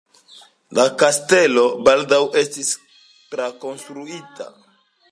La kastelo baldaŭ estis trakonstruita.